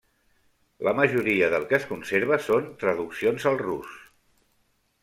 La majoria del que es conserva són traduccions al rus.